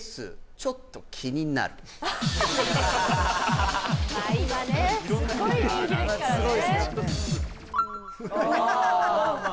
ちょっと気になる・すごい！